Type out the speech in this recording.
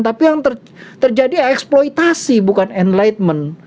tapi yang terjadi eksploitasi bukan enlightenment